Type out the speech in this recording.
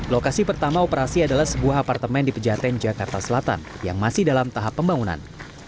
lokasi pertama operasi adalah sebuah apartemen di pejaten jakarta selatan yang masih dalam tahap pembangunan